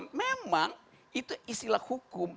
memang itu istilah hukum